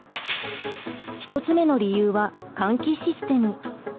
１つ目の理由は換気システム。